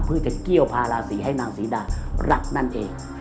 เพื่อจะเกี้ยวพาราศีให้นางศรีดารักนั่นเอง